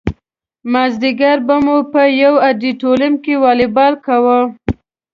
مازدیګر به مو په یو ادیتوریم کې والیبال کاوه.